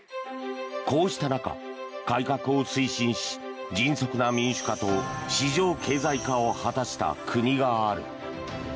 こうした中、改革を推進し迅速な民主化と市場経済化を果たした国がある。